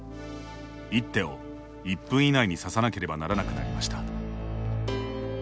一手を１分以内に指さなければならなくなりました。